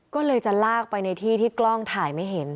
ก็เลยจะลากไปในที่ที่กล้องถ่ายไม่เห็น